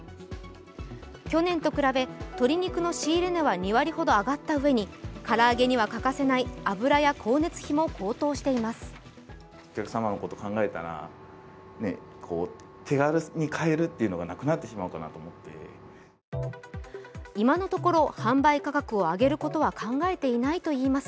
去年と比べ鶏肉の仕入れ値は２割ほど上がったうえに唐揚げには欠かせない油や光熱費も高騰しています。